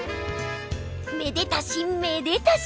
めでたしめでたし！